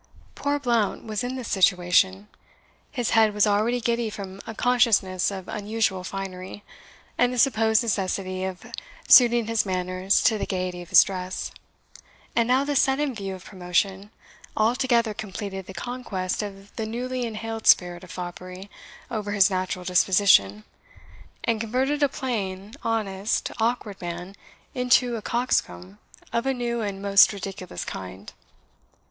Poor Blount was in this situation. His head was already giddy from a consciousness of unusual finery, and the supposed necessity of suiting his manners to the gaiety of his dress; and now this sudden view of promotion altogether completed the conquest of the newly inhaled spirit of foppery over his natural disposition, and converted a plain, honest, awkward man into a coxcomb of a new and most ridiculous kind.